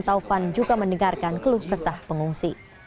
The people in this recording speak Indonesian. taufan juga mendengarkan keluh besah pengungsi